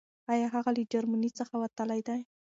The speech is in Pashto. آيا هغه له جرمني څخه وتلی دی؟